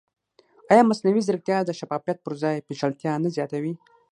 ایا مصنوعي ځیرکتیا د شفافیت پر ځای پېچلتیا نه زیاتوي؟